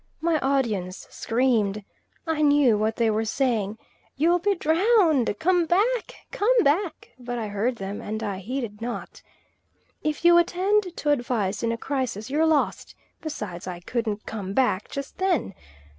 My audience screamed. I knew what they were saying, "You'll be drowned! Come back! Come back!" but I heard them and I heeded not. If you attend to advice in a crisis you're lost; besides, I couldn't "Come back" just then.